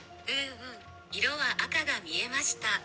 うんうん、色は赤が見えました。